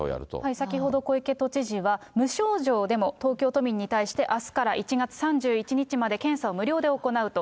先ほど、小池都知事は、無症状でも、東京都民に対して、あすから１月３１日まで、検査を無料で行うと。